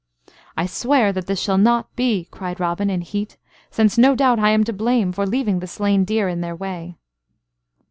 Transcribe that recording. "I swear that this shall not be," cried Robin, in heat, "since no doubt I am to blame for leaving the slain deer in their way."